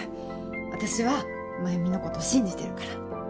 私は繭美のこと信じてるから。